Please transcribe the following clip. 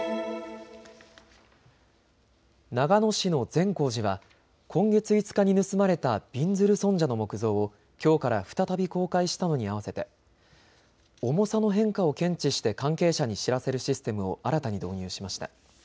長野市の善光寺は今月５日に盗まれたびんずる尊者の木像をきょうから再び公開したのに合わせて重さの変化を検知して関係者に知らせるシステムを新たに導入しました。